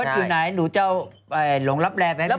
พล็อทอยู่ไหนหนูจะเอาหลงรับแรนไปสิ